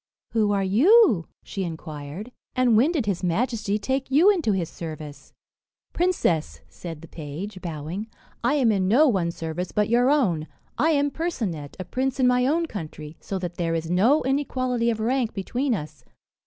"Who are you?" she inquired; "and when did his majesty take you into his service?" "Princess," said the page, bowing, "I am in no one's service but your own. I am Percinet, a prince in my own country, so that there is no inequality of rank between us.